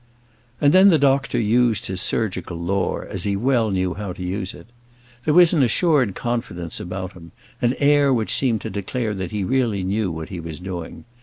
And then the doctor used his surgical lore, as he well knew how to use it. There was an assured confidence about him, an air which seemed to declare that he really knew what he was doing.